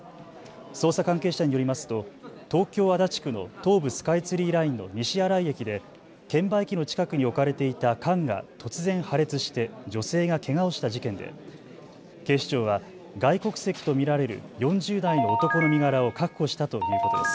捜査関係者によりますと東京足立区の東武スカイツリーラインの西新井駅で券売機の近くに置かれていた缶が突然、破裂して女性がけがをした事件で警視庁は外国籍と見られる４０代の男の身柄を確保したということです。